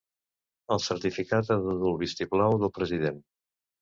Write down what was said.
El certificat ha de dur el vistiplau del president.